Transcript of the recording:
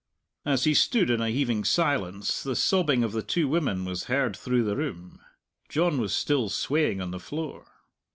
As he stood in a heaving silence the sobbing of the two women was heard through the room. John was still swaying on the floor.